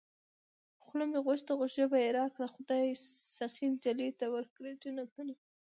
خوله مې غوښته ژبه يې راکړه خدايه سخي نجلۍ ته ورکړې جنتونه